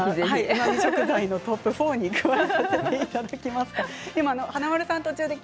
うまみ食材のトップ４に加えさせていただきます。